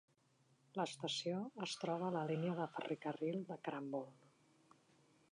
L'estació es troba a la línia de ferrocarril de Cranbourne.